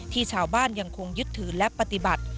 ที่ชาวบ้านยังคงยึดถือและปฏิบัติ